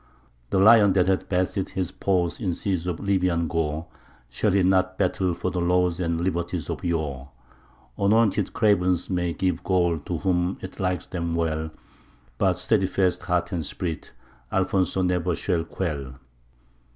The LION that hath bathed his paws in seas of Lybian gore; Shall he not battle for the laws and liberties of yore? Anointed cravens may give gold to whom it likes them well, But steadfast heart and spirit, Alfonso ne'er shall quell.